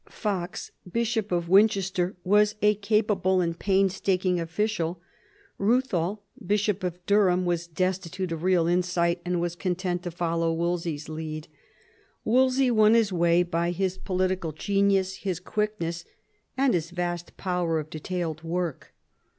Fox, Bishop of Winchester, was a capable and painstaking official. Euthal, Bishop of Durham, was destitute of real insight, and was content to follow Wolsey's lead. Wolsey won his way by his political genius, his quickness, and his vast power of detailed " work.